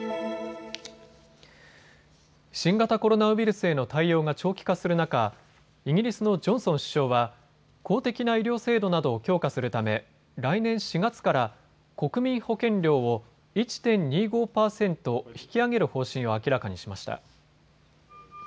新型コロナウイルスへの対応が長期化する中、イギリスのジョンソン首相は公的な医療制度などを強化するため来年４月から国民保険料を１．２５％、引き上げる方針を明らかにしました。